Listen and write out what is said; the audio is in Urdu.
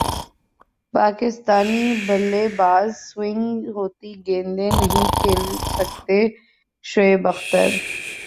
پاکستانی بلے باز سوئنگ ہوتی گیندیں نہیں کھیل سکتے شعیب اختر